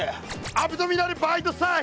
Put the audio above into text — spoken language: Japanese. アブドミナルバイドサイ！